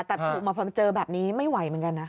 แต่บุกมาพอเจอแบบนี้ไม่ไหวเหมือนกันนะ